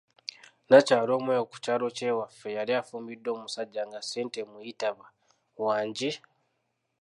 Nnakyala omu eyo ku kyalo kye waffe, yali afumbiddwa omusajja nga ssente emuyitaba," wangi".